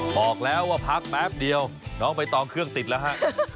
บอกแล้วว่าพักแป๊บเดียวน้องใบตองเครื่องติดแล้วฮะ